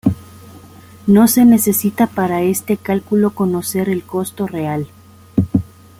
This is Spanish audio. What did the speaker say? No se necesita para este calculo conocer el costo real.